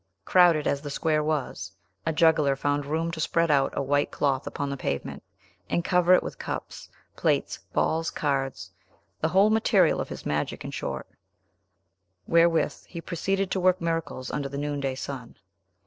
Crowded as the square was, a juggler found room to spread out a white cloth upon the pavement, and cover it with cups, plates, balls, cards, w the whole material of his magic, in short, wherewith he proceeded to work miracles under the noonday sun.